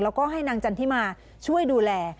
แล้วก็ให้นางจันทิมาช่วยดูแล